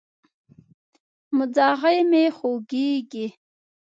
مځغی مي خوږیږي